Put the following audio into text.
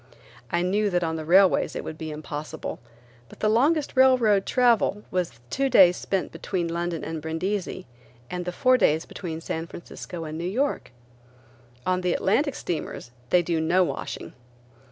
I knew that on the railways it would be impossible, but the longest railroad travel was the two days spent between London and Brindisi, and the four days between San Francisco and New York. On the Atlantic steamers they do no washing.